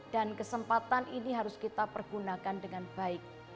dan kesempatan ini harus kita pergunakan dengan baik